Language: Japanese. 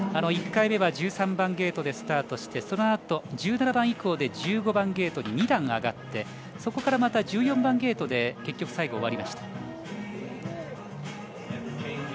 １回目は１３番ゲートでスタートしてそのあと１７番以降で１５番ゲートに２段上がってそこから１４番ゲートで結局、最後終わりました。